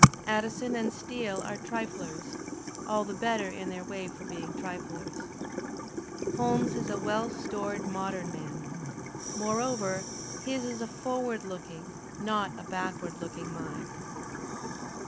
Addison and Steele are triflers, all the better in their way for being triflers. Holmes is a well stored modern man. More over his is a foreward looking, not a backward looking mind.